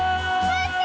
待って！